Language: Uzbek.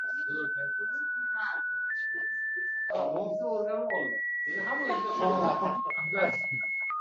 Faollar mujdani qo‘yib ko‘rajak bo‘ldi.